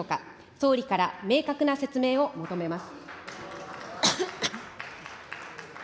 総理から明確な説明を求めます。